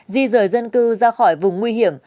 di rời dân cư ra khỏi vùng nguy hiểm